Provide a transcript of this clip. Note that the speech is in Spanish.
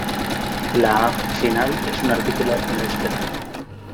La "-a" final es artículo en euskera.